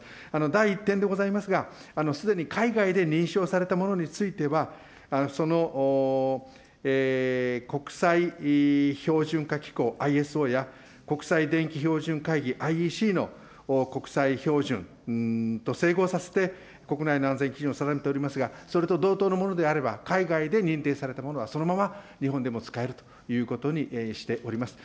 第１点でございますが、すでに海外で認証されたものについては、その国際標準化機構・ＩＳＯや、国際電気標準会議・ＩＥＣの国際標準と整合させて、国内の安全基準を定めておりますが、それと同等のものであれば、海外で認定されたものは、そのまま日本でも使えるということにしております。